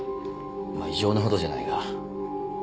まあ異常なほどじゃないが。